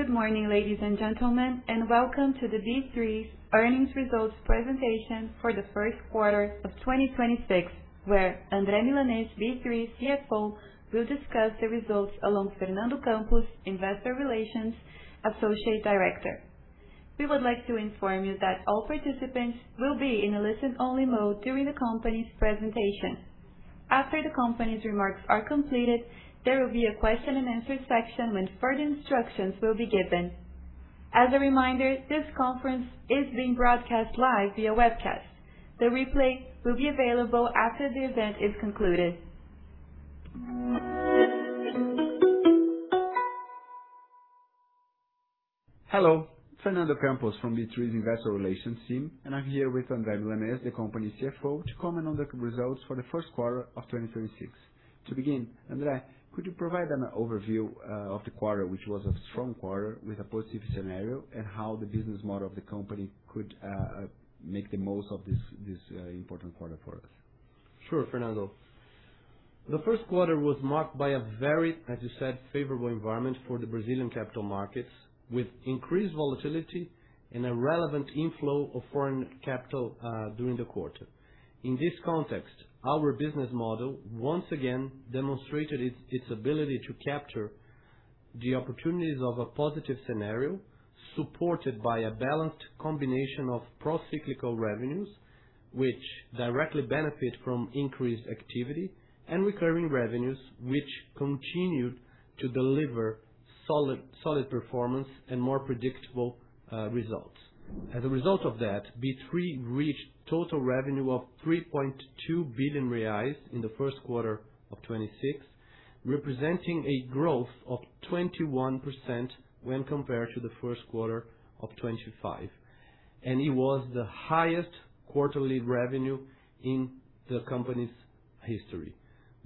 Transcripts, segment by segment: Good morning, ladies and gentlemen, and welcome to the B3's earnings results presentation for the first quarter of 2026, where Andre Milanez, B3 CFO, will discuss the results along Fernando Campos, Investor Relations Associate Director. We would like to inform you that all participants will be in a listen-only mode during the company's presentation. After the company's remarks are completed, there will be a question and answer section when further instructions will be given. As a reminder, this conference is being broadcast live via webcast. The replay will be available after the event is concluded. Hello, Fernando Campos from B3's Investor Relations team, and I'm here with Andre Milanez, the company's CFO, to comment on the results for the first quarter of 2026. To begin, Andre, could you provide an overview of the quarter, which was a strong quarter with a positive scenario, and how the business model of the company could make the most of this important quarter for us? Sure, Fernando. The first quarter was marked by a very, as you said, favorable environment for the Brazilian capital markets, with increased volatility and a relevant inflow of foreign capital during the quarter. In this context, our business model once again demonstrated its ability to capture the opportunities of a positive scenario supported by a balanced combination of procyclical revenues, which directly benefit from increased activity and recurring revenues, which continued to deliver solid performance and more predictable results. As a result of that, B3 reached total revenue of 3.2 billion reais in the first quarter of 2026, representing a growth of 21% when compared to the first quarter of 2025, and it was the highest quarterly revenue in the company's history.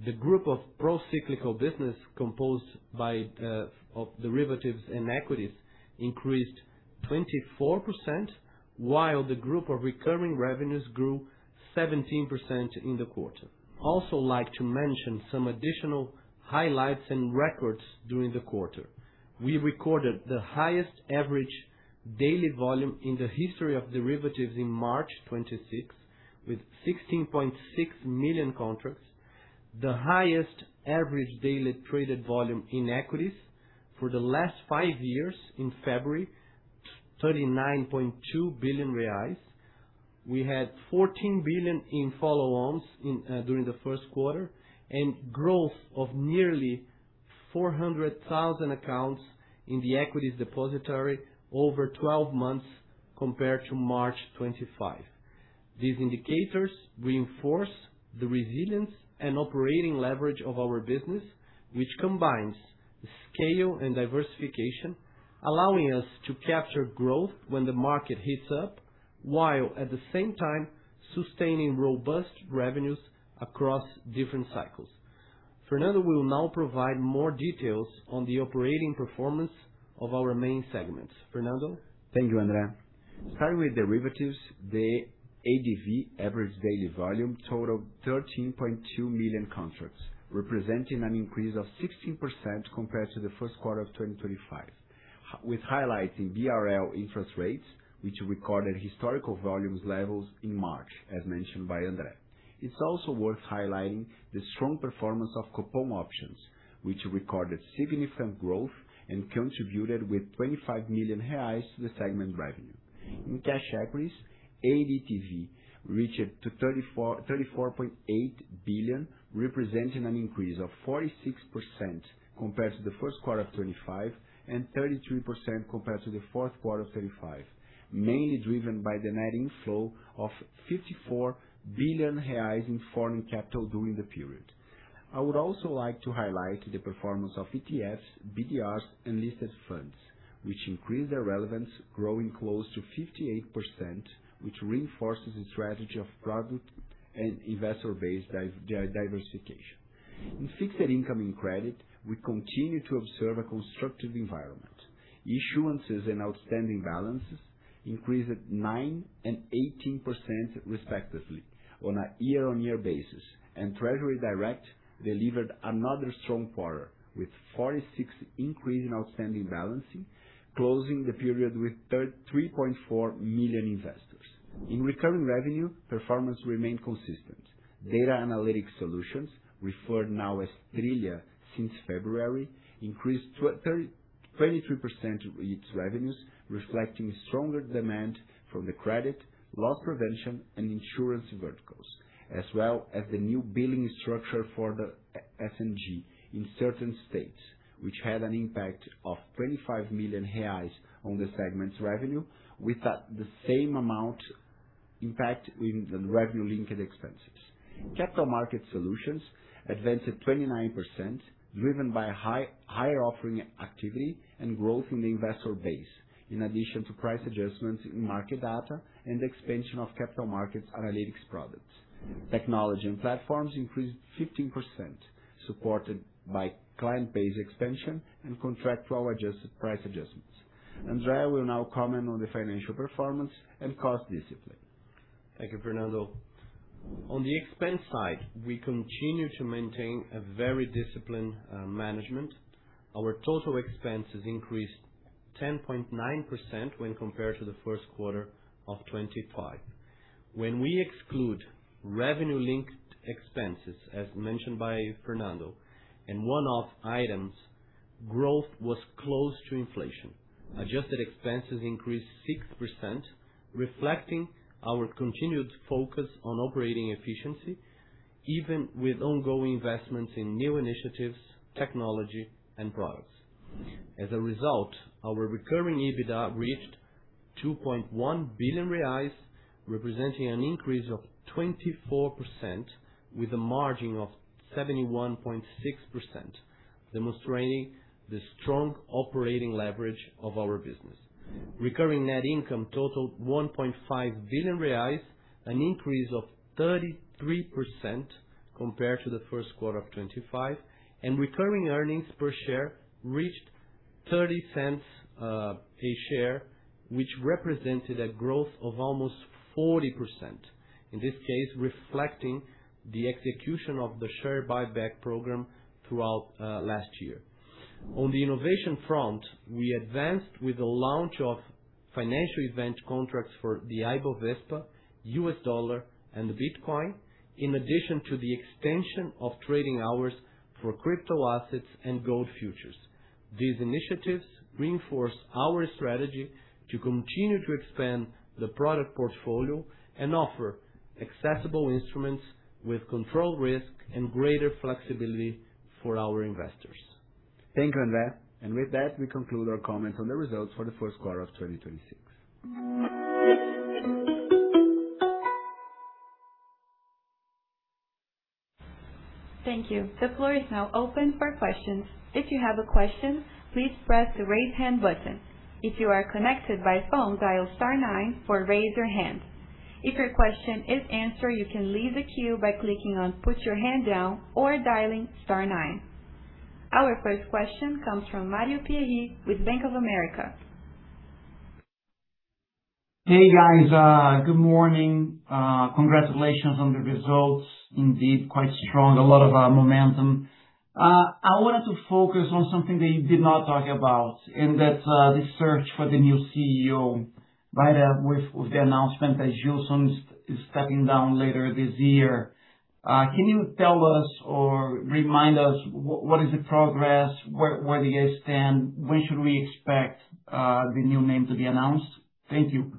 The group of procyclical business composed by of derivatives and equities increased 24%, while the group of recurring revenues grew 17% in the quarter. We would also like to mention some additional highlights and records during the quarter. We recorded the highest average daily volume in the history of derivatives in March 26 with 16.6 million contracts, the highest average daily traded volume in equities for the last five years in February, 39.2 billion reais. We had 14 billion in follow-ons during the first quarter and growth of nearly 400,000 accounts in the equities depository over 12 months compared to March 2025. These indicators reinforce the resilience and operating leverage of our business, which combines scale and diversification, allowing us to capture growth when the market heats up, while at the same time sustaining robust revenues across different cycles. Fernando will now provide more details on the operating performance of our main segments. Fernando? Thank you, Andre. Starting with derivatives, the ADV, Average Daily Volume, total 13.2 million contracts, representing an increase of 16% compared to the first quarter of 2025. With highlighting BRL interest rates, which recorded historical volumes levels in March, as mentioned by Andre. It's also worth highlighting the strong performance of Copom options, which recorded significant growth and contributed with 25 million reais to the segment revenue. In cash equities, ADTV reached to 34.8 billion, representing an increase of 46% compared to the first quarter of 2025 and 33% compared to the fourth quarter of 2025, mainly driven by the net inflow of 54 billion reais in foreign capital during the period. I would also like to highlight the performance of ETFs, BDRs, and listed funds, which increased their relevance, growing close to 58%, which reinforces the strategy of product and investor base diversification. In fixed income and credit, we continue to observe a constructive environment. Issuances and outstanding balances increased 9% and 18% respectively on a year-on-year basis, and Treasury Direct delivered another strong quarter with 46% increase in outstanding balance, closing the period with 3.4 million investors. In recurring revenue, performance remained consistent. Data analytic solutions, referred now as Trillia since February, increased 23% its revenues, reflecting stronger demand from the credit, loss prevention, and insurance verticals, as well as the new billing structure for the SNG in certain states, which had an impact of 25 million reais on the segment's revenue with the same amount impact in the revenue-linked expenses. Capital market solutions advanced at 29%, driven by higher offering activity and growth in the investor base, in addition to price adjustments in market data and the expansion of capital markets analytics products. Technology and platforms increased 15%, supported by client base expansion and contractual adjusted price adjustments. Andre will now comment on the financial performance and cost discipline. Thank you, Fernando. On the expense side, we continue to maintain a very disciplined management. Our total expenses increased 10.9% when compared to the first quarter of 2025. When we exclude revenue-linked expenses, as mentioned by Fernando and one-off items, growth was close to inflation. Adjusted expenses increased 6%, reflecting our continued focus on operating efficiency even with ongoing investments in new initiatives, technology and products. As a result, our recurring EBITDA reached 2.1 billion reais, representing an increase of 24% with a margin of 71.6%, demonstrating the strong operating leverage of our business. Recurring net income totaled 1.5 billion reais, an increase of 33% compared to the first quarter of 2025. Recurring earnings per share reached 0.30 a share, which represented a growth of almost 40%, in this case, reflecting the execution of the share buyback program throughout last year. On the innovation front, we advanced with the launch of financial event contracts for the Ibovespa, US dollar, and the Bitcoin, in addition to the extension of trading hours for crypto assets and gold futures. These initiatives reinforce our strategy to continue to expand the product portfolio and offer accessible instruments with controlled risk and greater flexibility for our investors. Thank you, Andre. With that, we conclude our comments on the results for the first quarter of 2026. Thank you. The floor is now open for questions. If you have a question, please press the raise hand button. If you are connected by phone, dial star nine for raise your hand. If your question is answered, you can leave the queue by clicking on put your hand down or dialing star nine. Our first question comes from Mario Pierry with Bank of America. Hey, guys. good morning. congratulations on the results. Indeed, quite strong. A lot of momentum. I wanted to focus on something that you did not talk about, and that's the search for the new CEO. With the announcement that Gilson is stepping down later this year. Can you tell us or remind us what is the progress, where do you guys stand? When should we expect the new name to be announced? Thank you.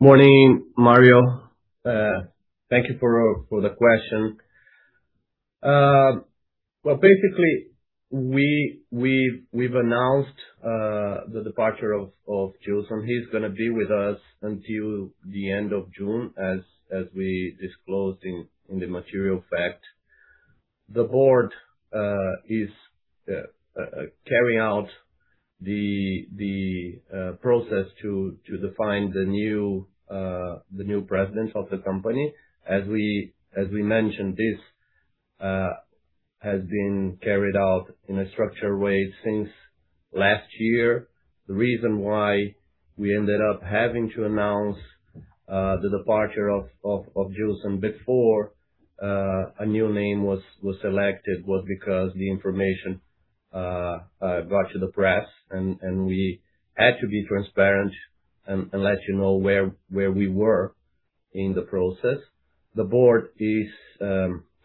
Morning, Mario. Thank you for the question. Well, basically we've announced the departure of Gilson. He's going to be with us until the end of June as we disclosed in the material fact. The board is carrying out the process to define the new president of the company. As we mentioned, this has been carried out in a structured way since last year. The reason why we ended up having to announce the departure of Gilson before a new name was selected was because the information got to the press and we had to be transparent and let you know where we were in the process. The board is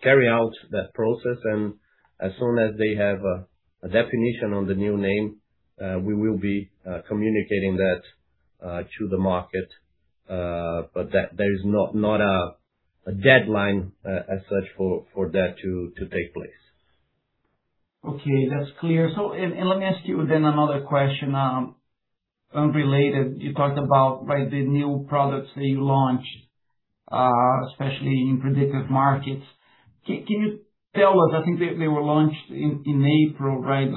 carry out that process and as soon as they have a definition on the new name, we will be communicating that to the market. There is not a deadline as such for that to take place. Okay. That's clear. Let me ask you then another question, unrelated. You talked about, right, the new products that you launched, especially in predictive markets. Can you tell us, I think they were launched in April, right?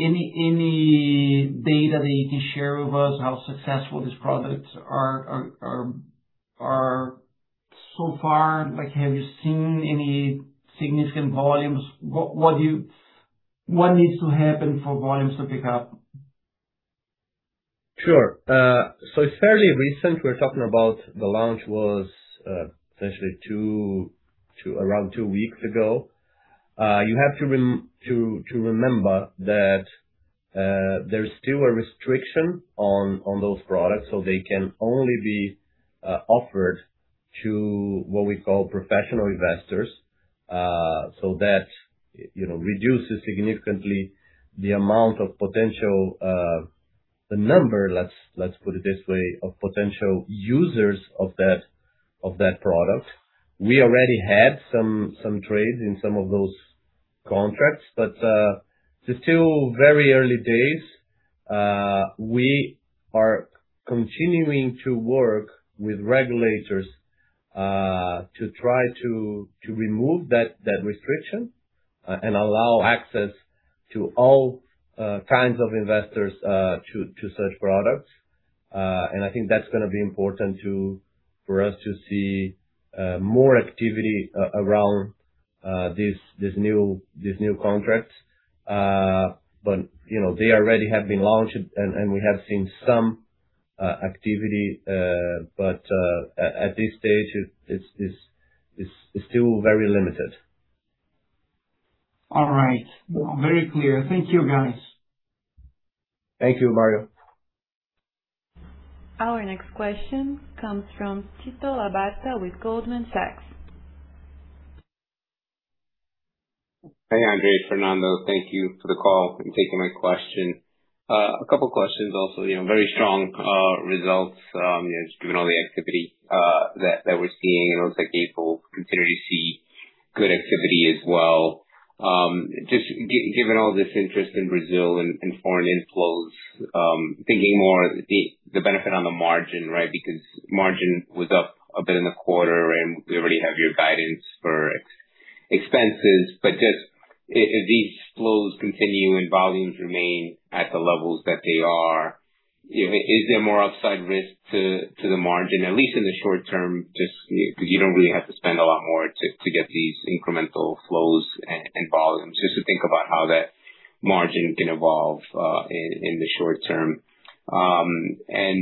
Any data that you can share with us how successful these products are so far? Have you seen any significant volumes? What needs to happen for volumes to pick up? Sure. It's fairly recent. We're talking about the launch was essentially two, around two weeks ago. You have to remember that there's still a restriction on those products, so they can only be offered to what we call professional investors. That, you know, reduces significantly the amount of potential, the number let's put it this way, of potential users of that product. We already had some trades in some of those contracts. It's still very early days. We are continuing to work with regulators to try to remove that restriction and allow access to all kinds of investors to such products. I think that's gonna be important for us to see more activity around these new contracts. You know, they already have been launched and we have seen some activity. At this stage, it's still very limited. All right. Very clear. Thank you, guys. Thank you, Mario. Our next question comes from Tito Labarta with Goldman Sachs. Hey, Andre, Fernando. Thank you for the call and taking my question. A couple questions also, you know, very strong results. You know, just given all the activity that we're seeing, and it looks like April continue to see good activity as well. Just given all this interest in Brazil and foreign inflows, thinking more the benefit on the margin, right? Because margin was up a bit in the quarter, and we already have your guidance for expenses. If these flows continue and volumes remain at the levels that they are, is there more upside risk to the margin, at least in the short term, just because you don't really have to spend a lot more to get these incremental flows and volumes, just to think about how that margin can evolve in the short term. Second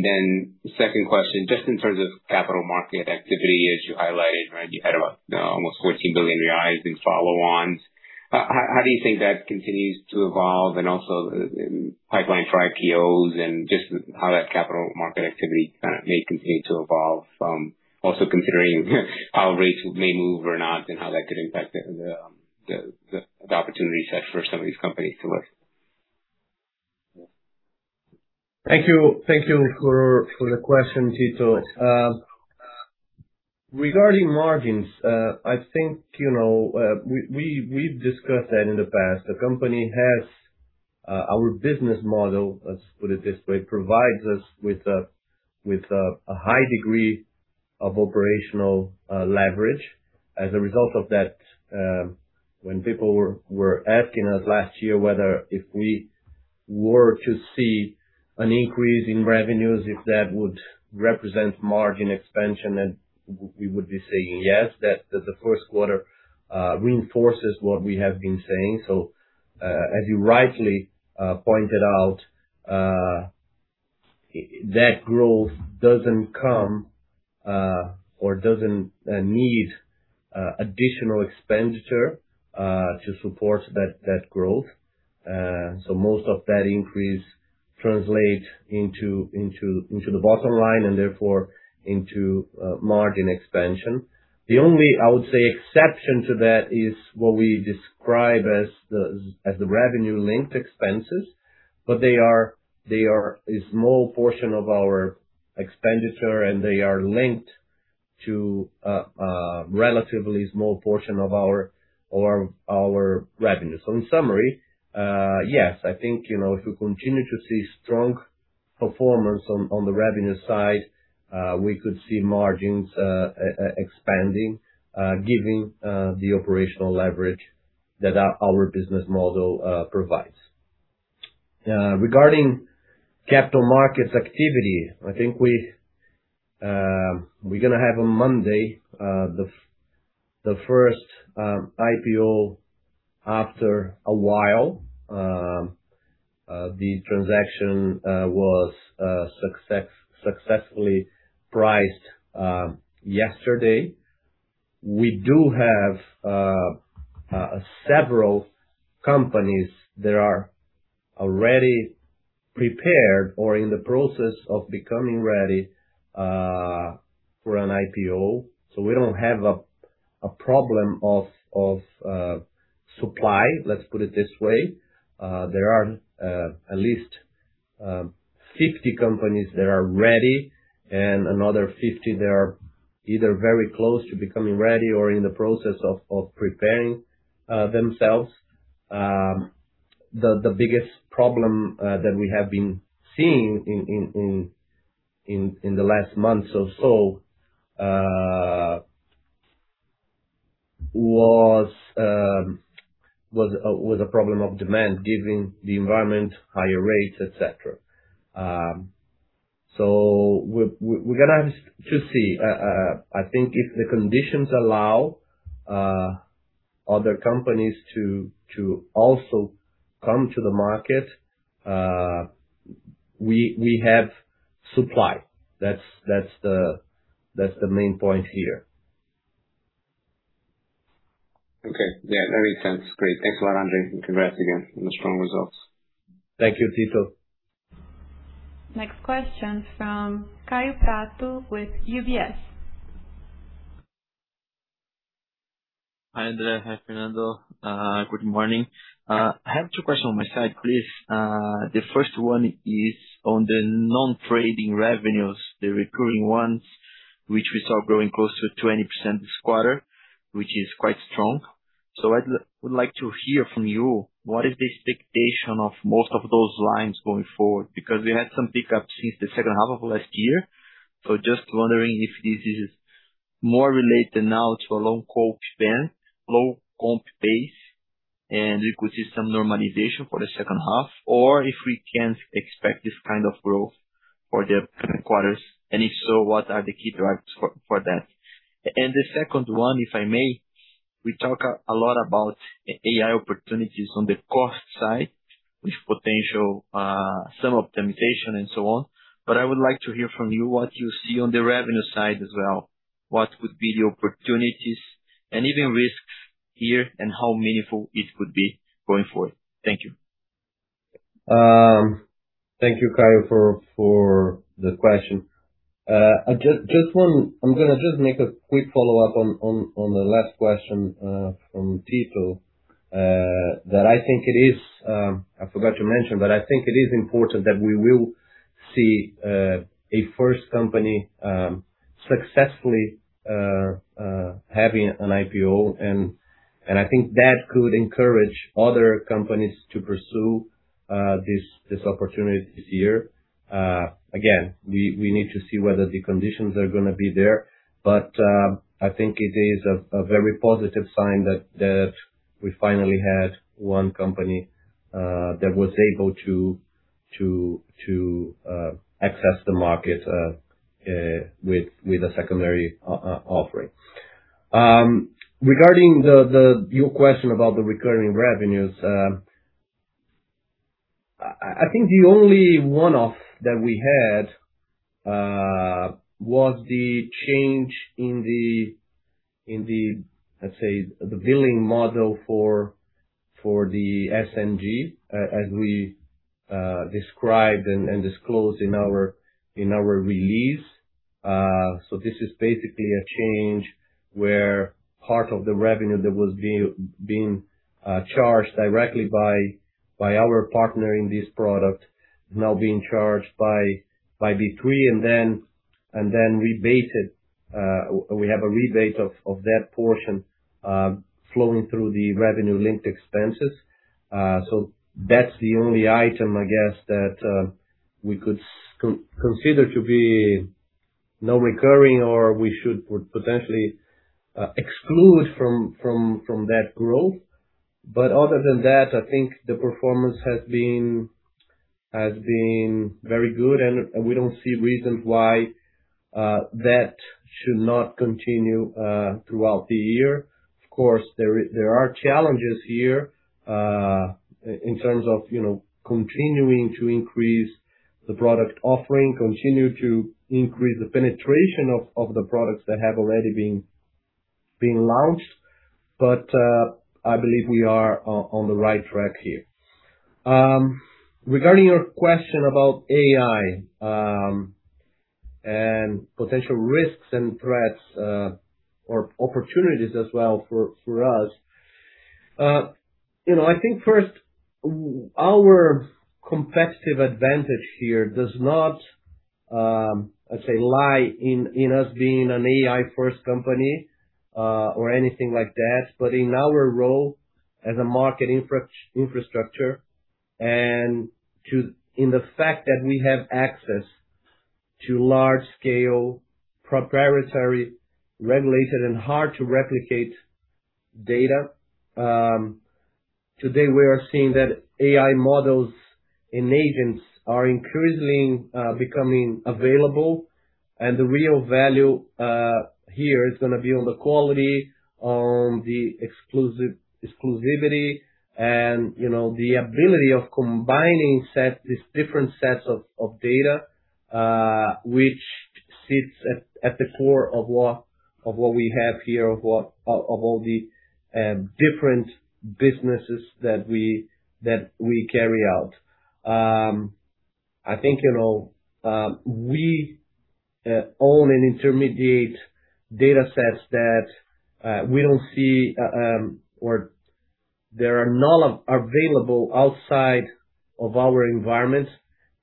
question, just in terms of capital market activity, as you highlighted, right, you had about almost 14 billion reais in follow-ons. How do you think that continues to evolve and also pipeline for IPOs and just how that capital market activity may continue to evolve, also considering how rates may move or not and how that could impact the opportunity set for some of these companies to list? Thank you. Thank you for the question, Tito. Regarding margins, I think, you know, we've discussed that in the past. The company has our business model, let's put it this way, provides us with a with a high degree of operational leverage. As a result of that, when people were asking us last year whether if we were to see an increase in revenues, if that would represent margin expansion, and we would be saying yes. That the first quarter reinforces what we have been saying. As you rightly pointed out, that growth doesn't come or doesn't need additional expenditure to support that growth. Most of that increase translate into the bottom line and therefore into margin expansion. The only, I would say, exception to that is what we describe as the, as the revenue-linked expenses. They are a small portion of our expenditure, and they are linked to a relatively small portion of our revenue. In summary, yes, I think, you know, if we continue to see strong performance on the revenue side, we could see margins expanding, given the operational leverage that our business model provides. Regarding capital markets activity, I think we're gonna have on Monday the first IPO after a while. The transaction was successfully priced yesterday. We do have several companies that are already prepared or in the process of becoming ready for an IPO. We don't have a problem of supply, let's put it this way. There are at least 50 companies that are ready and another 50 that are either very close to becoming ready or in the process of preparing themselves. The biggest problem that we have been seeing in the last months or so was a problem of demand given the environment, higher rates, et cetera. We're gonna have to see. I think if the conditions allow other companies to also come to the market, we have supply. That's the main point here. Okay. Yeah, that makes sense. Great. Thanks a lot, Andre, and congrats again on the strong results. Thank you, Tito. Next question from Kaio Penso Da Prato with UBS. Hi, Andre. Hi, Fernando. Good morning. I have two questions on my side, please. The first one is on the non-trading revenues, the recurring ones, which we saw growing close to 20% this quarter, which is quite strong. I'd like to hear from you what is the expectation of most of those lines going forward? Because we had some pick up since the second half of last year. Just wondering if this is more related now to a low comp spend, low comp base, and we could see some normalization for the second half, or if we can expect this kind of growth for the coming quarters, and if so, what are the key drivers for that? The second one, if I may, we talk a lot about AI opportunities on the cost side, with potential, some optimization and so on. I would like to hear from you what you see on the revenue side as well. What would be the opportunities and even risks here and how meaningful it could be going forward? Thank you. Thank you, Kaio, for the question. I'm gonna just make a quick follow-up on the last question, from Tito. that I think it is, I forgot to mention, but I think it is important that we will see a 1st company successfully having an IPO. I think that could encourage other companies to pursue this opportunity this year. again, we need to see whether the conditions are gonna be there. I think it is a very positive sign that we finally had one company that was able to access the market with a secondary offer. Regarding your question about the recurring revenues, I think the only one-off that we had was the change in the, let's say, the billing model for the SNG, as we described and disclosed in our release. This is basically a change where part of the revenue that was being charged directly by our partner in this product now being charged by B3, and then rebated, we have a rebate of that portion flowing through the revenue-linked expenses. That's the only item, I guess, that we could consider to be non-recurring or we should potentially exclude from that growth. Other than that, I think the performance has been very good, and we don't see reasons why that should not continue throughout the year. Of course, there are challenges here in terms of, you know, continuing to increase the product offering, continue to increase the penetration of the products that have already been launched. I believe we are on the right track here. Regarding your question about AI, and potential risks and threats, or opportunities as well for us. You know, I think first, our competitive advantage here does not, let's say, lie in us being an AI-first company, or anything like that. In our role as a market infrastructure and in the fact that we have access to large scale, proprietary, regulated, and hard to replicate data. Today we are seeing that AI models and agents are increasingly becoming available. The real value here is gonna be on the quality, on the exclusivity, and, you know, the ability of combining these different sets of data, which sits at the core of what we have here, of all the different businesses that we carry out. I think, you know, we own intermediate data sets that we don't see, or they are not available outside of our environments: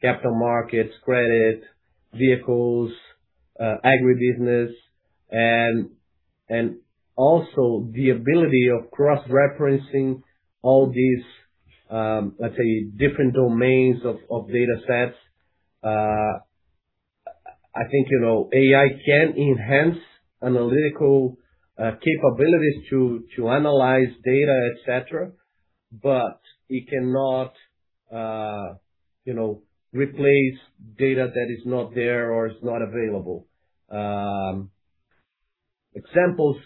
capital markets, credit, vehicles, agribusiness, and also the ability of cross-referencing all these, let's say, different domains of data sets. I think, you know, AI can enhance analytical capabilities to analyze data, et cetera, but it cannot, you know, replace data that is not there or is not available. Examples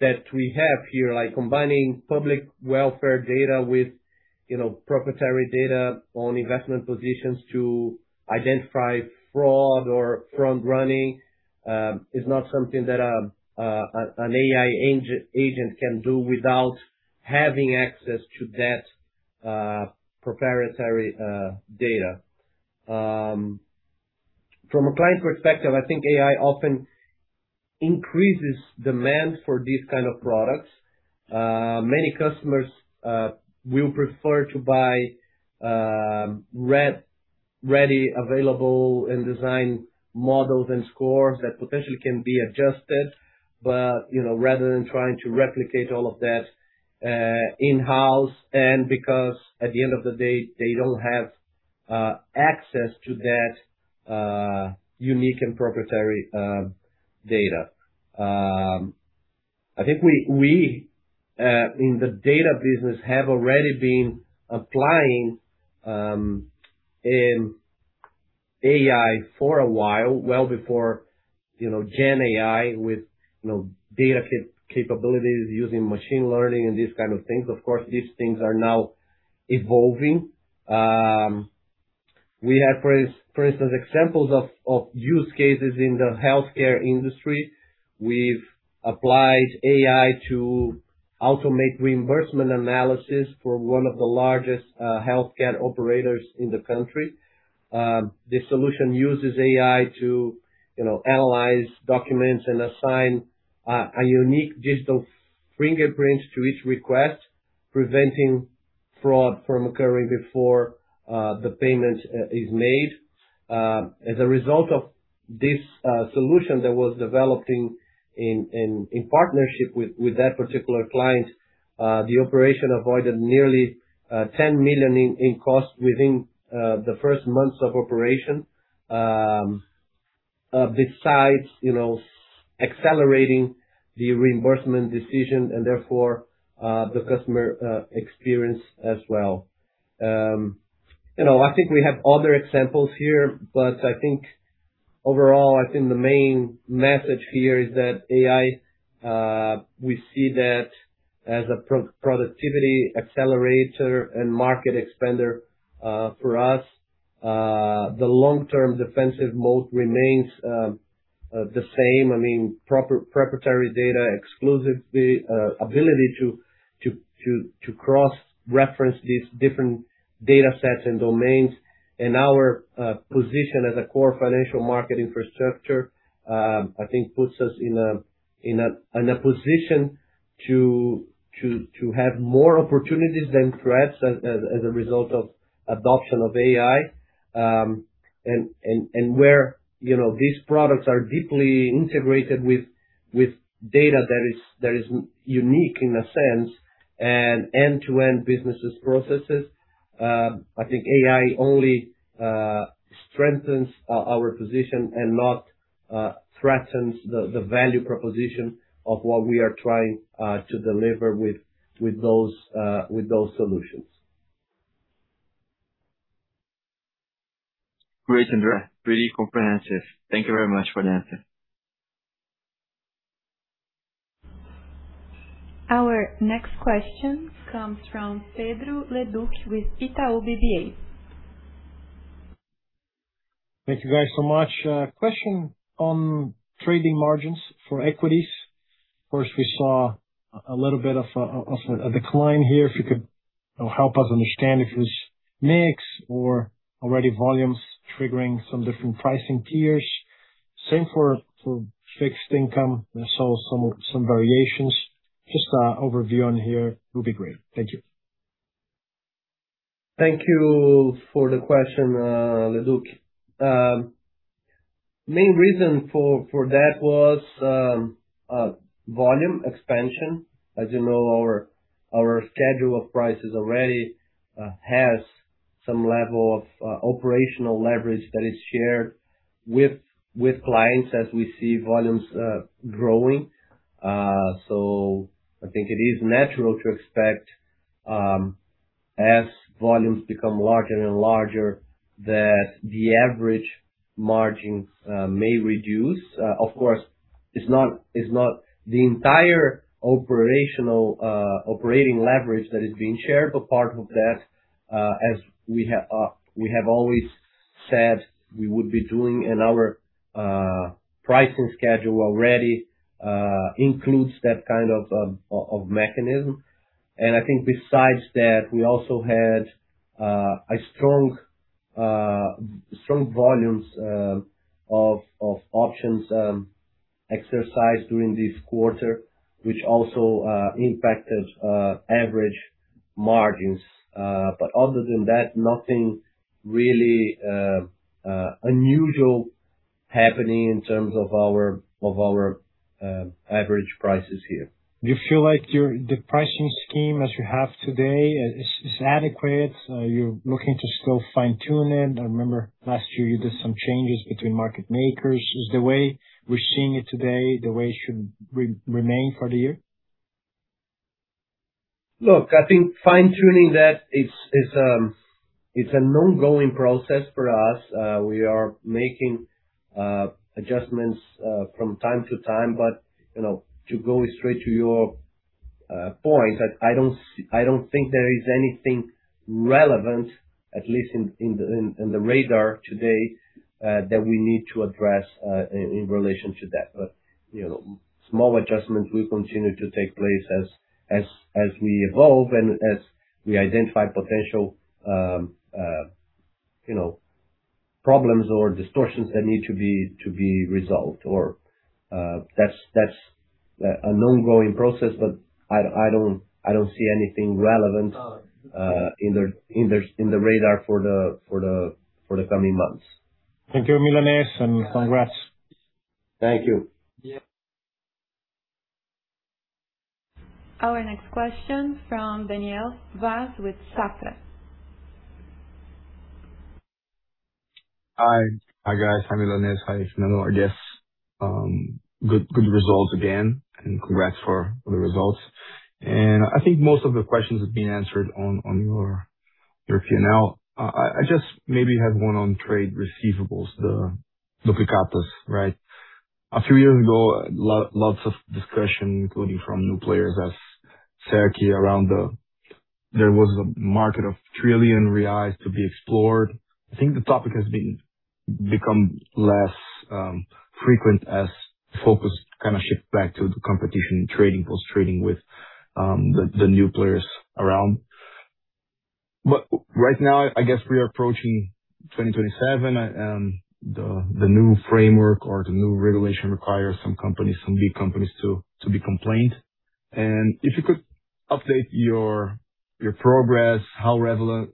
that we have here, like combining public welfare data with, you know, proprietary data on investment positions to identify fraud or front running, is not something that an AI agent can do without having access to that proprietary data. From a client perspective, I think AI often increases demand for these kind of products. Many customers will prefer to buy ready, available, and design models and scores that potentially can be adjusted, but, you know, rather than trying to replicate all of that in-house. Because at the end of the day, they don't have, access to that, unique and proprietary, data, I think we, in the data business have already been applying, AI for a while, well before, you know, Gen AI with, you know, data capabilities using machine learning and these kind of things. Of course, these things are now evolving. We have, for instance, examples of use cases in the healthcare industry. We've applied AI to automate reimbursement analysis for 1 of the largest, healthcare operators in the country. The solution uses AI to, you know, analyze documents and assign, a unique digital fingerprint to each request, preventing fraud from occurring before, the payment, is made. As a result of this solution that was developing in partnership with that particular client, the operation avoided nearly 10 million in costs within the first months of operation. Besides, you know, accelerating the reimbursement decision and therefore, the customer experience as well. You know, I think we have other examples here, but I think overall, I think the main message here is that AI, we see that as a pro-productivity accelerator and market expander for us. The long-term defensive moat remains the same. I mean proprietary data exclusively, ability to cross-reference these different data sets and domains. Our position as a core financial market infrastructure, I think puts us in a position to have more opportunities than threats as a result of adoption of AI. Where, you know, these products are deeply integrated with data that is unique in a sense and end-to-end businesses processes. I think AI only strengthens our position and not threatens the value proposition of what we are trying to deliver with those solutions. Great, Andre. Pretty comprehensive. Thank you very much for the answer. Our next question comes from Pedro Leduc with Itaú BBA. Thank you guys so much. Question on trading margins for equities. Of course, we saw a little bit of a decline here. If you could, you know, help us understand if it's mix or already volumes triggering some different pricing tiers. Same for fixed income. I saw some variations. Just a overview on here will be great. Thank you. Thank you for the question, Pedro Leduc. Main reason for that was volume expansion. As you know, our schedule of prices already has some level of operational leverage that is shared with clients as we see volumes growing. I think it is natural to expect as volumes become larger and larger that the average margins may reduce. Of course, it is not the entire operational operating leverage that is being shared, but part of that, as we have always said we would be doing and our pricing schedule already includes that kind of mechanism. I think besides that, we also had strong volumes of options exercised during this quarter, which also impacted average margins. Other than that, nothing really unusual happening in terms of our average prices here. Do you feel like the pricing scheme as you have today is adequate? Are you looking to still fine-tune it? I remember last year you did some changes between market makers. Is the way we're seeing it today, the way it should re-remain for the year? Look, I think fine-tuning that is an ongoing process for us. We are making adjustments from time to time. You know, going straight to your point, I don't think there is anything relevant, at least in the radar today, that we need to address in relation to that. You know, small adjustments will continue to take place as we evolve and as we identify potential, you know, problems or distortions that need to be resolved or, that's an ongoing process. I don't see anything relevant in the radar for the coming months. Thank you, Milanez, and congrats. Thank you. Our next question from Daniel Vaz with Safra. Hi guys, good results again. Congrats for the results. I think most of the questions have been answered on your Q&A. I just maybe have one on trade receivables, the duplicatas, right? A few years ago, lots of discussion, including from new players as CERC around. There was a market of 1 trillion reais to be explored. I think the topic has become less frequent as focus kind of shift back to the competition trading, post-trading with the new players around. Right now, I guess we are approaching 2027, the new framework or the new regulation requires some big companies to be compliant. If you could update your progress, how relevant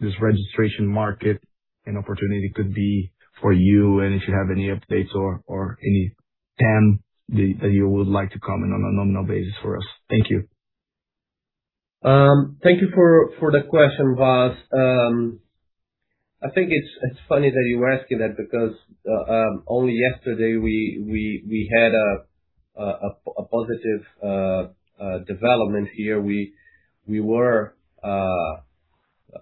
this registration market and opportunity could be for you and if you have any updates or any TAM that you would like to comment on a nominal basis for us. Thank you. Thank you for the question, Vaz. I think it's funny that you ask me that because only yesterday we had a positive development here. We were not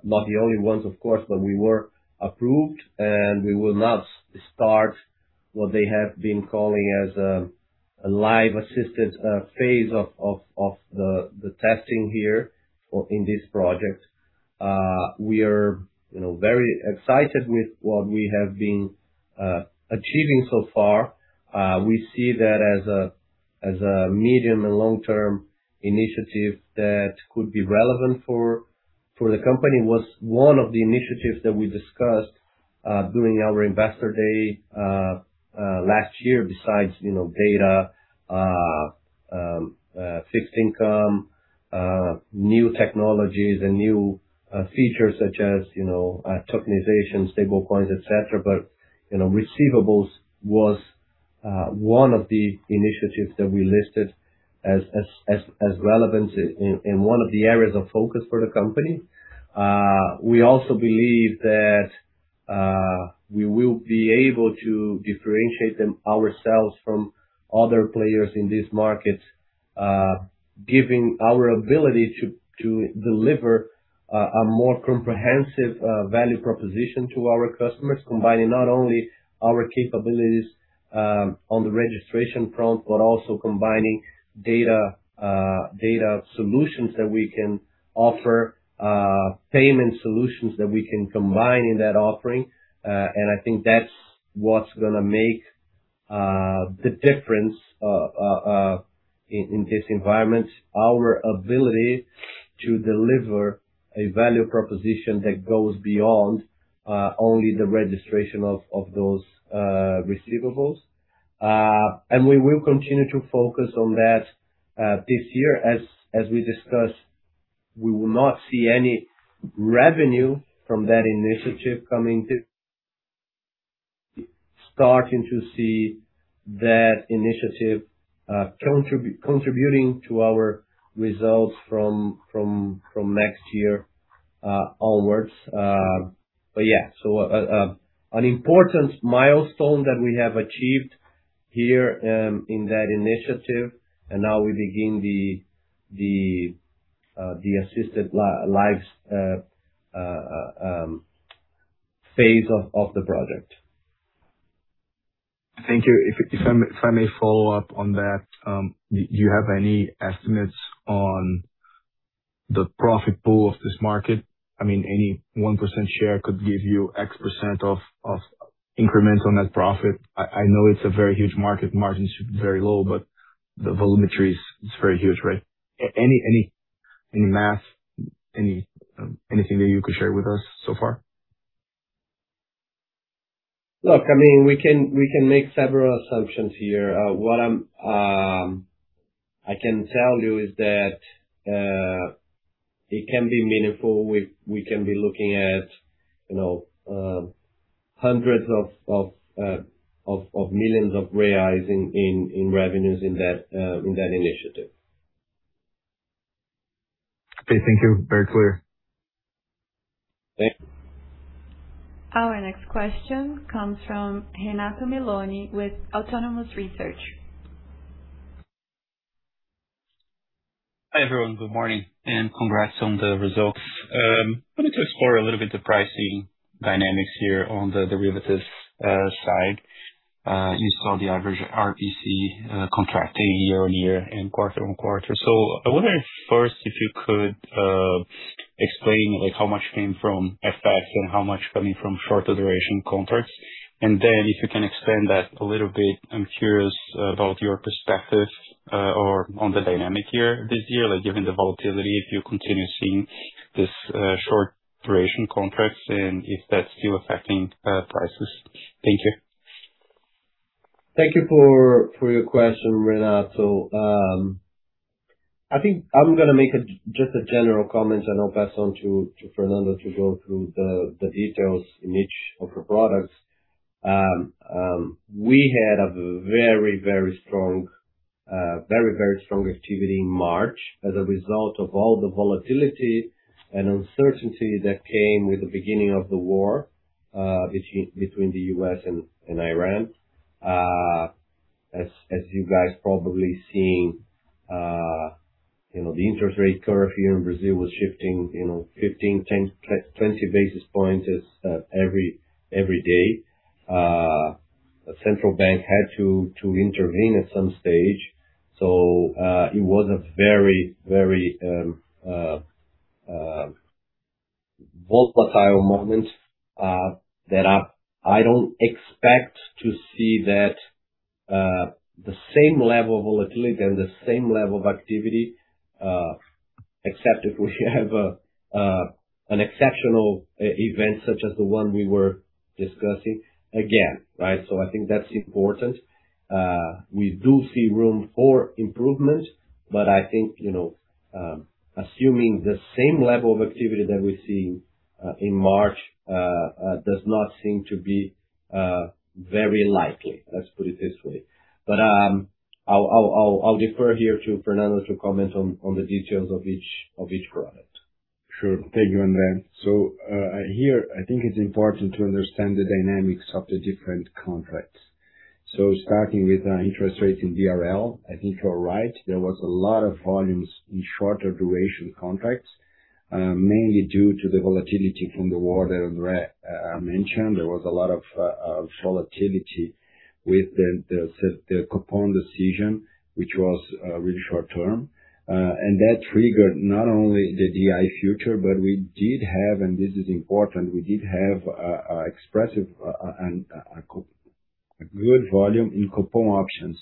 the only ones, of course, but we were approved, and we will now start what they have been calling as a live assisted phase of the testing here in this project. We are, you know, very excited with what we have been achieving so far. We see that as a medium and long-term initiative that could be relevant for the company. It was one of the initiatives that we discussed during our Investor Day last year, besides, you know, data, fixed income, new technologies and new features such as, you know, tokenization, stablecoins, et cetera. You know, receivables was one of the initiatives that we listed as relevant in, and one of the areas of focus for the company. We also believe that we will be able to differentiate them ourselves from other players in this market, giving our ability to deliver a more comprehensive value proposition to our customers. Combining not only our capabilities on the registration front, but also combining data solutions that we can offer, payment solutions that we can combine in that offering. I think that's what's gonna make the difference in this environment. Our ability to deliver a value proposition that goes beyond only the registration of those receivables. We will continue to focus on that this year. As we discussed, we will not see any revenue from that initiative coming to... Starting to see that initiative contributing to our results from next year onwards. Yeah. An important milestone that we have achieved here in that initiative, and now we begin the assisted live phase of the project. Thank you. If I may follow up on that, do you have any estimates on the profit pool of this market? I mean, any 1% share could give you X% of increments on that profit. I know it's a very huge market. Margins should be very low, but the volumetry is very huge, right? Any math? Anything that you could share with us so far? Look, I mean, we can make several assumptions here. What I'm, I can tell you is that, it can be meaningful. We can be looking at, you know, hundreds of millions of BRL in revenues in that initiative. Okay. Thank you. Very clear. Thank you. Our next question comes from Renato Meloni with Autonomous Research. Hi, everyone. Good morning. Congrats on the results. Wanted to explore a little bit the pricing dynamics here on the derivatives side. You saw the average RPC contracting year-on-year and quarter-on-quarter. I wonder if first if you could explain like how much came from FX and how much coming from shorter duration contracts. Then if you can expand that a little bit, I'm curious about your perspective or on the dynamic here this year. Given the volatility, if you continue seeing this short duration contracts and if that's still affecting prices. Thank you. Thank you for your question, Renato. I think I'm gonna make just a general comment and I'll pass on to Fernando to go through the details in each of the products. We had a very strong, very strong activity in March as a result of all the volatility and uncertainty that came with the beginning of the war between the U.S. and Iran. As you guys probably seen, you know, the interest rate curve here in Brazil was shifting, you know, 15, 10-20 basis points every day. The central bank had to intervene at some stage. It was a very volatile moment that I don't expect to see that the same level of volatility and the same level of activity, except if we have an exceptional event such as the one we were discussing again, right? I think that's important. We do see room for improvements, but I think, you know, assuming the same level of activity that we've seen in March does not seem to be very likely, let's put it this way. I'll defer here to Fernando to comment on the details of each product. Sure. Thank you, Andre. Here, I think it's important to understand the dynamics of the different contracts. Starting with interest rates in BRL, I think you're right. There was a lot of volumes in shorter duration contracts, mainly due to the volatility from the war that Andre mentioned. There was a lot of volatility with the Copom decision, which was really short term. That triggered not only the DI future, but we did have. And this is important, we did have a expressive, a good volume in Copom options,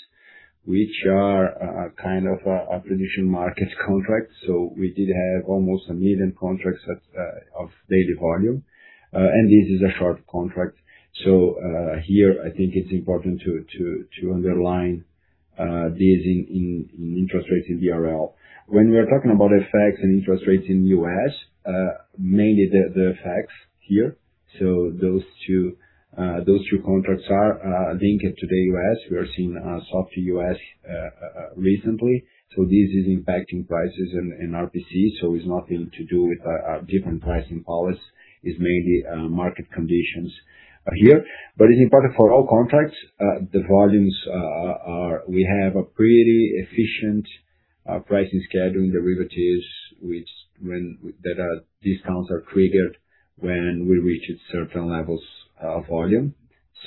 which are kind of a prediction market contract. We did have almost 1 million contracts of daily volume. And this is a short contract. Here, I think it's important to underline this in interest rates in BRL. When we are talking about FX and interest rates in U.S., mainly the FX here. Those two, those two contracts are linked to the U.S. We are seeing a softer U.S. recently. This is impacting prices in RPC, so it's nothing to do with a different pricing policy. It's mainly market conditions here. It's important for all contracts, the volumes, We have a pretty efficient pricing schedule in derivatives which that discounts are triggered when we reach certain levels of volume.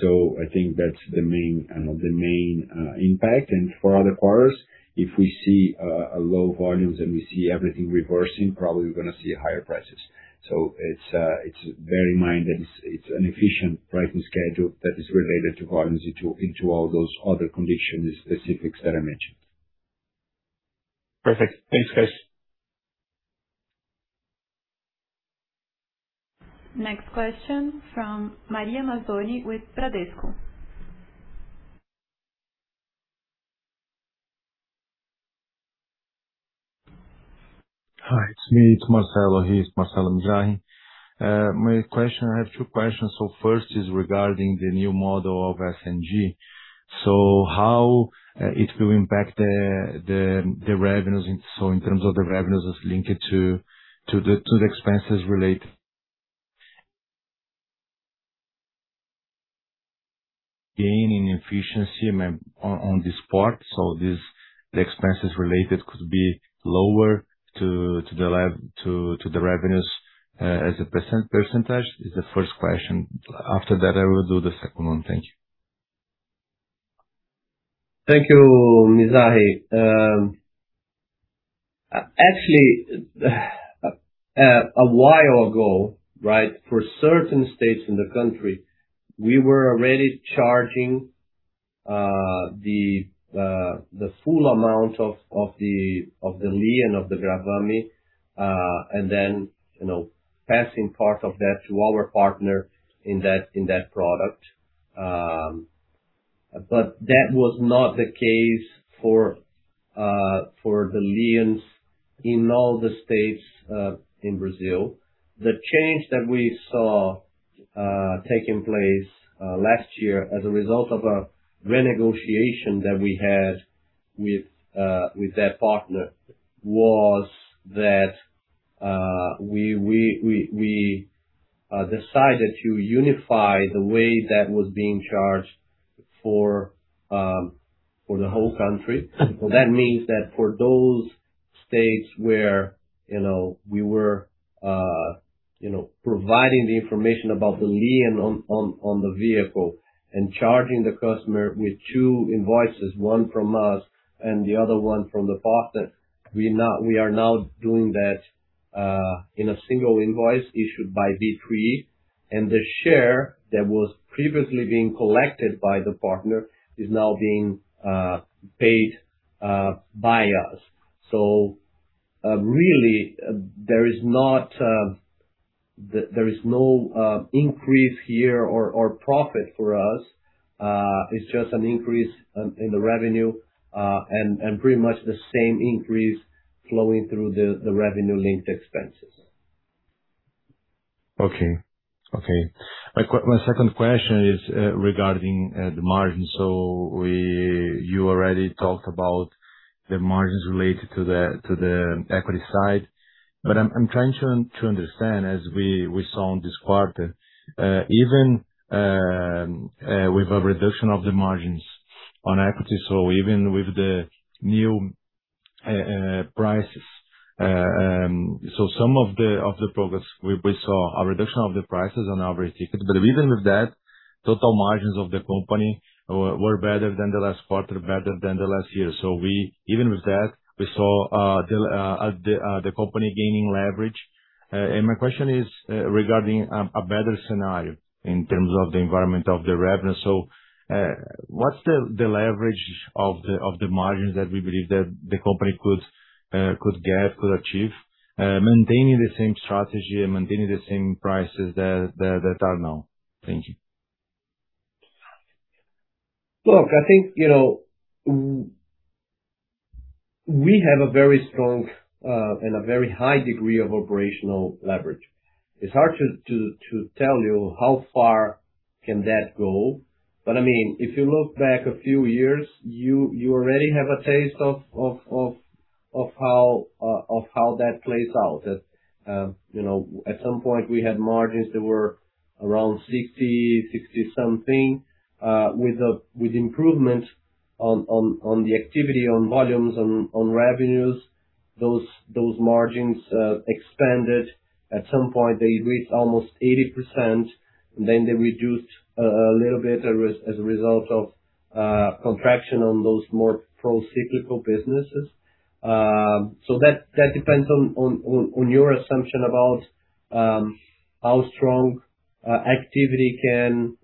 I think that's the main, the main impact. For other quarters, if we see low volumes and we see everything reversing, probably we're gonna see higher prices. It's, it's bear in mind that it's an efficient pricing schedule that is related to volumes into all those other conditions specifics that I mentioned. Perfect. Thanks, guys. Next question from Marcelo Mizrahi with Bradesco. Hi, it's me. It's Marcelo. It's Marcelo Mizrahi. My question, I have two questions. First is regarding the new model of SNG. How it will impact the revenues in terms of the revenues as linked to the expenses related... Gaining efficiency on this part. This, the expenses related could be lower to the revenues, as a percentage, is the first question. After that, I will do the second one. Thank you. Thank you, Mizrahi. Actually, a while ago, right, for certain states in the country, we were already charging the full amount of the lien of the Gravame, and then, you know, passing part of that to our partner in that product. That was not the case for the liens in all the states in Brazil. The change that we saw taking place last year as a result of a renegotiation that we had with that partner was that we decided to unify the way that was being charged for the whole country. That means that for those states where, you know, we were, you know, providing the information about the lien on the vehicle and charging the customer with two invoices, one from us and the other one from the partner, we are now doing that in a single invoice issued by B3. The share that was previously being collected by the partner is now being paid by us. Really, there is not, there is no increase here or profit for us. It's just an increase in the revenue and pretty much the same increase flowing through the revenue-linked expenses. My second question is regarding the margin. You already talked about the margins related to the equity side. I'm trying to understand, as we saw on this quarter, even with a reduction of the margins on equity, even with the new prices, some of the progress we saw a reduction of the prices on our ticket. Even with that, total margins of the company were better than the last quarter, better than the last year. Even with that, we saw the company gaining leverage. My question is regarding a better scenario in terms of the environment of the revenue. What's the leverage of the margins that we believe that the company could get, could achieve, maintaining the same strategy and maintaining the same prices that are now? Thank you. Look, I think, you know, we have a very strong and a very high degree of operational leverage. It's hard to tell you how far can that go. I mean, if you look back a few years, you already have a taste of how that plays out. That, you know, at some point, we had margins that were around 60 something, with improvement on the activity on volumes, on revenues, those margins expanded. At some point, they reached almost 80%, and then they reduced a little bit as a result of contraction on those more procyclical businesses. That, that depends on your assumption about how strong activity can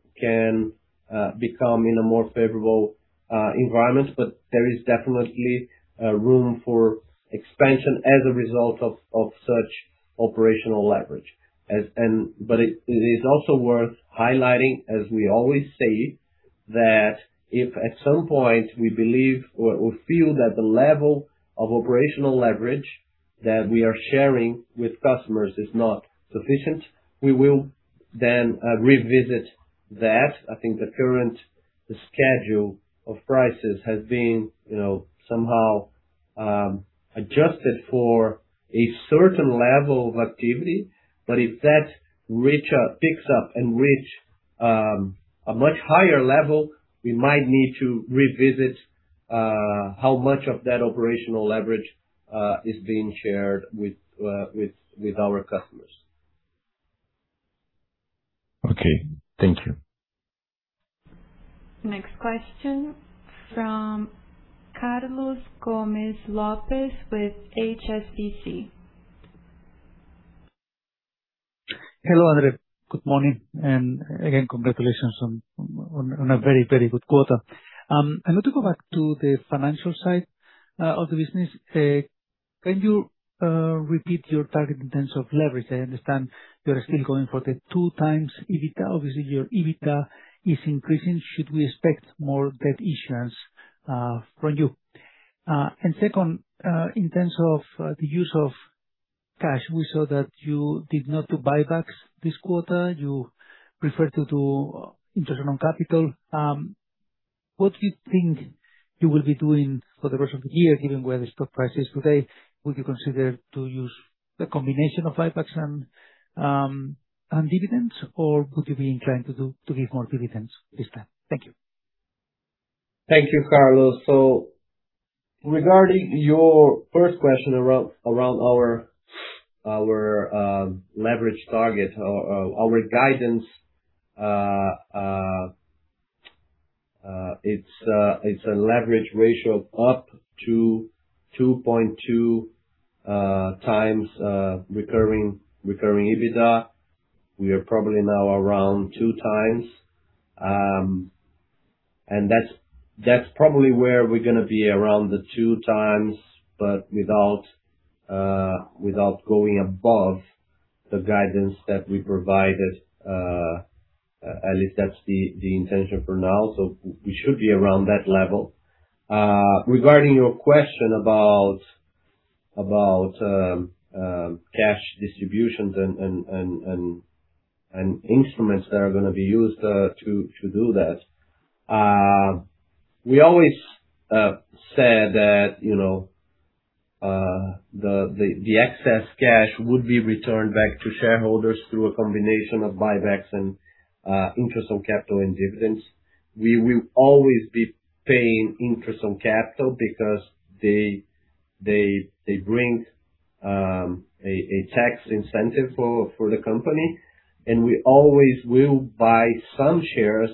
become in a more favorable environment. There is definitely room for expansion as a result of such operational leverage. It is also worth highlighting, as we always say, that if at some point we believe or feel that the level of operational leverage that we are sharing with customers is not sufficient, we will then revisit that. I think the current schedule of prices has been, you know, somehow, adjusted for a certain level of activity. If that picks up and reach a much higher level, we might need to revisit how much of that operational leverage is being shared with our customers. Okay. Thank you. Next question from Carlos Gomez-Lopez with HSBC. Hello, Andre. Good morning, and again, congratulations on a very, very good quarter. I want to go back to the financial side of the business. Can you repeat your target in terms of leverage? I understand you're still going for the 2x EBITDA. Obviously, your EBITDA is increasing. Should we expect more debt issuance from you? Second, in terms of the use of cash, we saw that you did not do buybacks this quarter. You prefer to do interest on capital. What do you think you will be doing for the rest of the year, given where the stock price is today? Would you consider to use the combination of buybacks and dividends, or would you be inclined to give more dividends this time? Thank you. Thank you, Carlos. Regarding your first question around our leverage target, our guidance, it's a leverage ratio of up to 2.2x recurring EBITDA. We are probably now around 2x. And that's probably where we're gonna be around the 2x, but without going above the guidance that we provided. At least that's the intention for now. We should be around that level. Regarding your question about cash distributions and instruments that are gonna be used to do that, we always said that, you know, the excess cash would be returned back to shareholders through a combination of buybacks and Interest on Capital and Dividends. We will always be paying interest on capital because they bring a tax incentive for the company, and we always will buy some shares,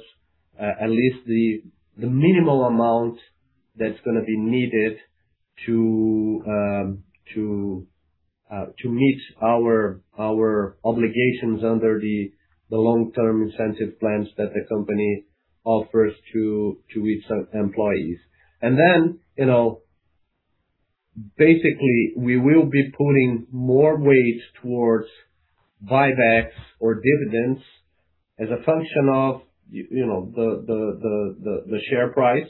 at least the minimal amount that's gonna be needed to meet our obligations under the long-term incentive plans that the company offers to its employees. You know, basically, we will be putting more weight towards buybacks or Dividends as a function of, you know, the share price,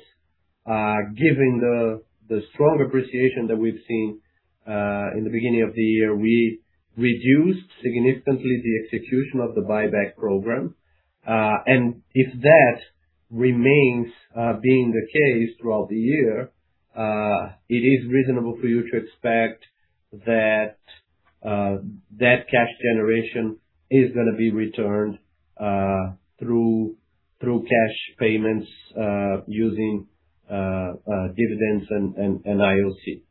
giving the strong appreciation that we've seen in the beginning of the year, we reduced significantly the execution of the buyback program. If that remains being the case throughout the year, it is reasonable for you to expect that cash generation is gonna be returned through cash payments using dividends and IOC.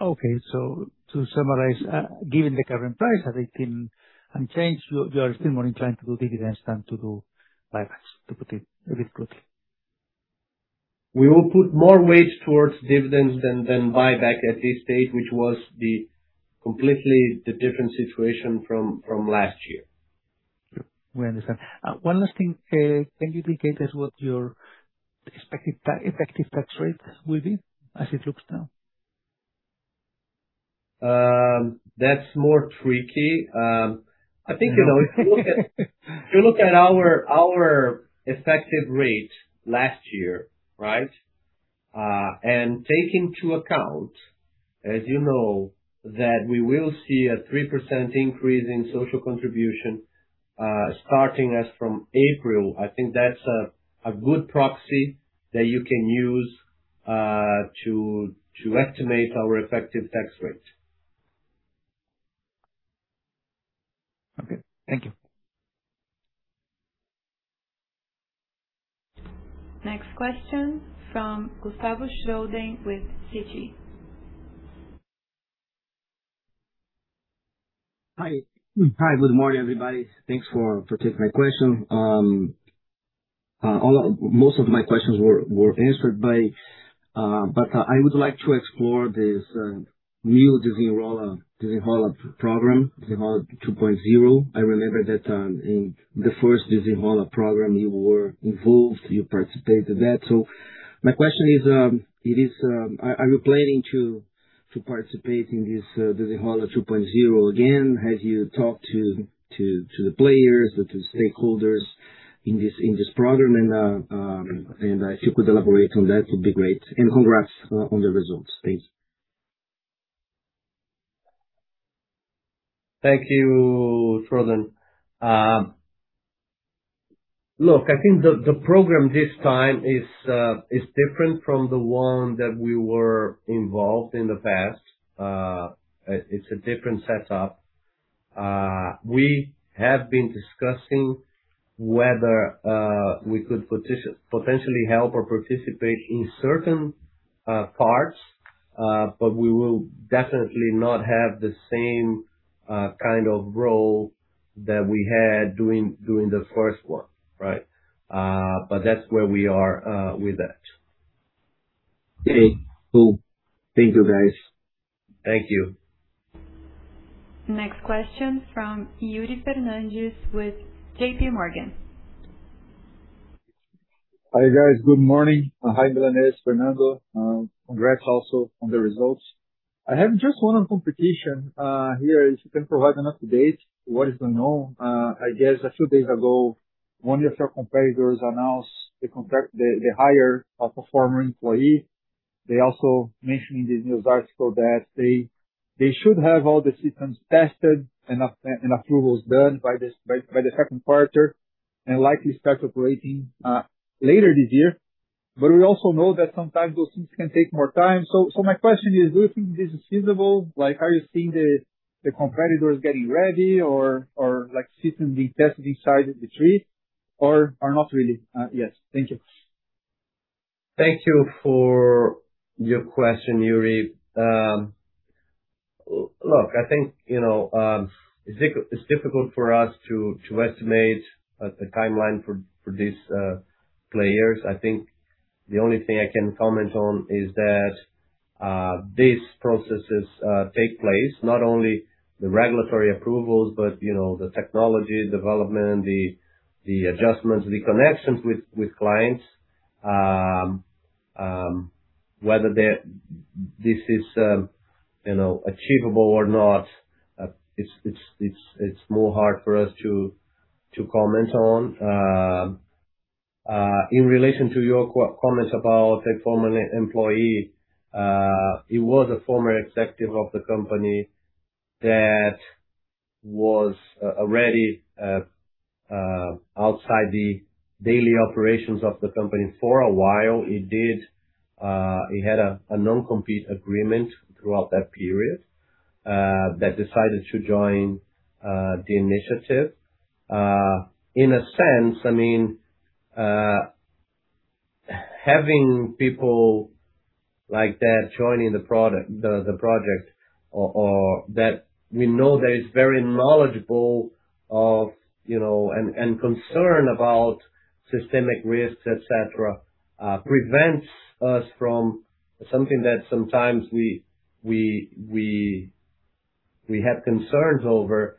Okay. To summarize, given the current price has been unchanged, you are still more inclined to do dividends than to do buybacks, to put it very quickly. We will put more weight towards Dividends than buyback at this stage, which was the completely the different situation from last year. Sure. We understand. One last thing. Can you indicate us what your expected effective tax rate will be as it looks now? That's more tricky. I think, you know, if you look at our effective rate last year, right. Take into account, as you know, that we will see a 3% increase in social contribution, starting as from April, I think that's a good proxy that you can use to estimate our effective tax rate. Okay. Thank you. Next question from Gustavo Schroden with Citi. Hi. Good morning, everybody. Thanks for taking my question. Most of my questions were answered. I would like to explore this new Desenrola program, Novo Desenrola Brasil. I remember that in the first Desenrola program you were involved, you participated that. My question is, are you planning to participate in this Novo Desenrola Brasil again? Have you talked to the players or to stakeholders in this program? If you could elaborate on that, it would be great. Congrats on the results. Thanks. Thank you, Schroden. Look, I think the program this time is different from the one that we were involved in the past. It's a different setup. We have been discussing whether we could potentially help or participate in certain parts, but we will definitely not have the same kind of role that we had during the first one, right? That's where we are with that. Okay. Cool. Thank you, guys. Thank you. Next question from Yuri Fernandes with JPMorgan. Hi, guys. Good morning. Hi, Milanez, Fernando. Congrats also on the results. I have just one on competition here, if you can provide an update, what is the known? I guess a few days ago, one of your competitors announced the contract, the hire of a former employee. They also mentioned in this news article that they should have all the systems tested and approvals done by the second quarter, and likely start operating later this year. We also know that sometimes those things can take more time. My question is, do you think this is feasible? Like, are you seeing the competitors getting ready or like systems being tested inside B3 or not really? Yes. Thank you. Thank you for your question, Yuri. Look, I think, you know, it's difficult for us to estimate the timeline for these players. I think the only thing I can comment on is that these processes take place, not only the regulatory approvals, but you know, the technology development, the adjustments, the connections with clients. Whether this is, you know, achievable or not, it's more hard for us to comment on. In relation to your comments about a former employee, he was a former executive of the company that was already outside the daily operations of the company for a while. He had a non-compete agreement throughout that period that decided to join the initiative. In a sense, I mean, having people like that joining the project or that we know that is very knowledgeable of, you know, and concerned about systemic risks, et cetera, prevents us from something that sometimes we have concerns over,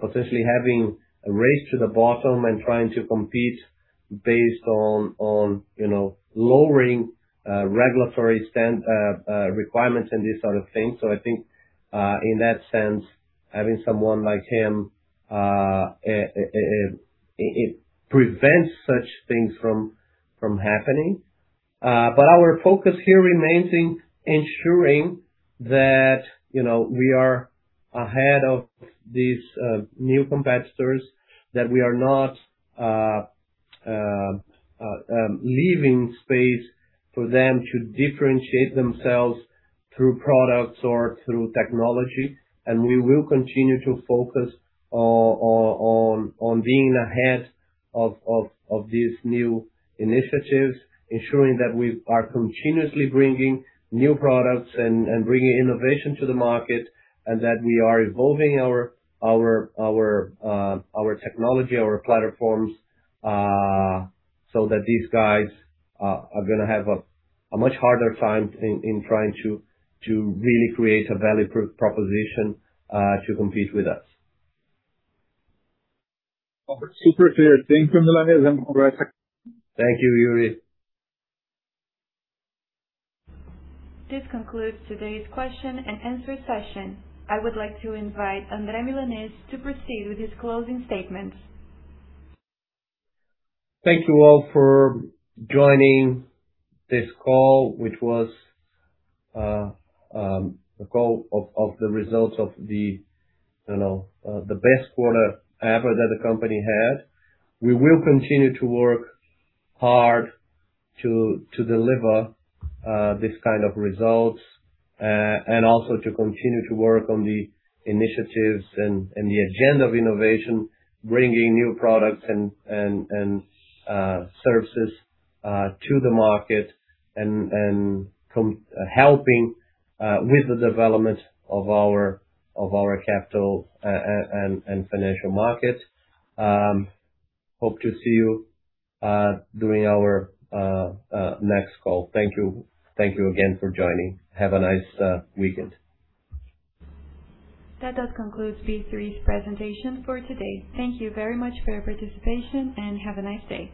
potentially having a race to the bottom and trying to compete based on, you know, lowering regulatory requirements and this sort of thing. I think, in that sense, having someone like him, it prevents such things from happening. Our focus here remains in ensuring that, you know, we are ahead of these new competitors, that we are not leaving space for them to differentiate themselves through products or through technology. We will continue to focus on being ahead of these new initiatives, ensuring that we are continuously bringing new products and bringing innovation to the market, and that we are evolving our technology, our platforms, so that these guys are gonna have a much harder time in trying to really create a value proposition to compete with us. Super clear. Thank you, Milanez, and congrats again. Thank you, Yuri. This concludes today's question and answer session. I would like to invite Andre Milanez to proceed with his closing statements. Thank you all for joining this call, which was a call of the results of the best quarter ever that the company had. We will continue to work hard to deliver this kind of results and also to continue to work on the initiatives and the agenda of innovation, bringing new products and services to the market and helping with the development of our capital and financial markets. Hope to see you during our next call. Thank you. Thank you again for joining. Have a nice weekend. That does conclude B3's presentation for today. Thank you very much for your participation, and have a nice day.